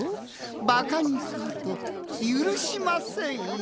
ばかにするとゆるしませんよ。